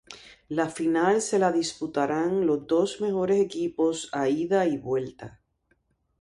La final se la disputarán los dos mejores equipos a ida y vuelta.